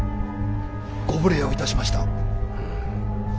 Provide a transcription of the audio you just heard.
ご無礼をいたしました。